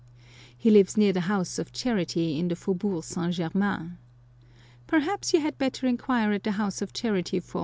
He lives near the House of Charity in the Faubourg St. Germain. Perhaps you had better inquire at the House of Charity for M.